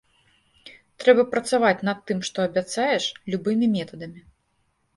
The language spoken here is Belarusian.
Трэба працаваць над тым, што абяцаеш, любымі метадамі.